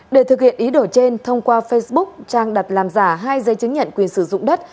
để thực hiện ý đổi trên thông qua facebook trang đặt làm giả hai giấy chứng nhận quyền sử dụng đất